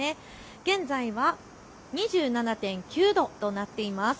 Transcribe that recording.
現在は２７．９度となっています。